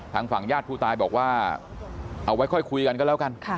ทางฝั่งญาติผู้ตายบอกว่าเอาไว้ค่อยคุยกันก็แล้วกัน